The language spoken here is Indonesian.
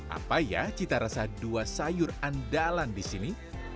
apa ya cita rasa dua sayur andalan di sini